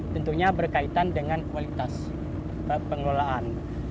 tentunya berkaitan dengan kualitas pengelolaan